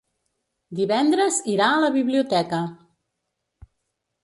Divendres irà a la biblioteca.